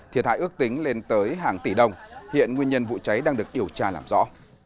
thiệt hại ước tính lên tới hàng tỷ đồng hiện nguyên nhân vụ cháy đang được điều tra làm rõ